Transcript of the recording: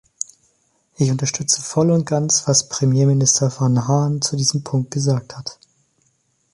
Ich unterstütze voll und ganz, was Premierminister Vanhanen zu diesem Punkt gesagt hat.